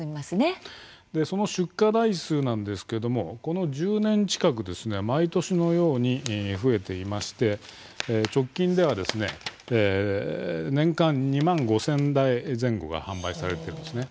その出荷台数なんですけれどもこの１０年近く毎年のように増えていまして直近では年間２万５０００台前後が販売されています。